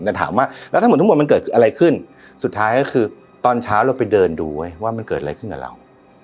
แต่ถามว่าแล้วทั้งหมดทั้งหมดมันเกิดอะไรขึ้นสุดท้ายก็คือตอนเช้าเราไปเดินดูไว้ว่ามันเกิดอะไรขึ้นกับเรา